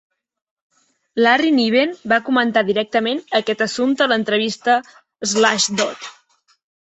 Larry Niven va comentar directament aquest assumpte a l'entrevista Slashdot.